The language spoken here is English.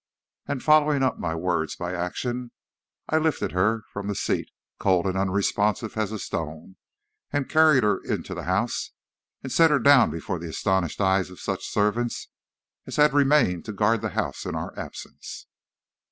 And following up my words by action, I lifted her from the seat, cold and unresponsive as a stone, and carried her into the house and set her down before the astonished eyes of such servants as had remained to guard the house in our absence.